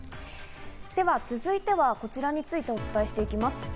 では続いては、こちらについてお伝えしていきます。